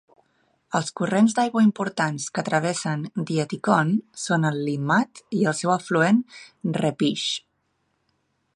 Els corrents d'aigua importants que travessen Dietikon són el Limmat i el seu afluent Reppisch.